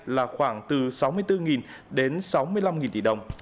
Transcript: là khoảng từ sáu mươi bốn đến sáu mươi năm tỷ đồng